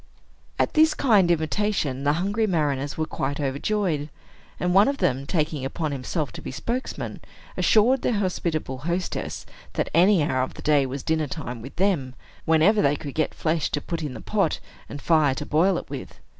At this kind invitation, the hungry mariners were quite overjoyed; and one of them, taking upon himself to be spokesman, assured their hospitable hostess that any hour of the day was dinner time with them, whenever they could get flesh to put in the pot, and fire to boil it with.